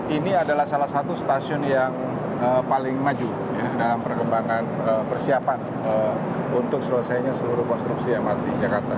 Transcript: ini adalah salah satu stasiun yang paling maju dalam perkembangan persiapan untuk selesainya seluruh konstruksi mrt jakarta